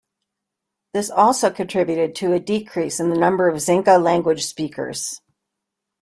This also contributed to a decrease in the number of Xinca-language speakers.